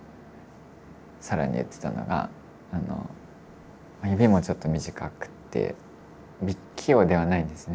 更に言ってたのが指もちょっと短くて器用ではないんですね。